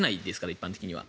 一般的には。